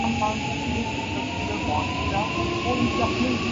وہ اورکہانی ہے۔